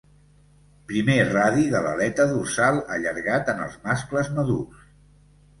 Primer radi de l'aleta dorsal allargat en els mascles madurs.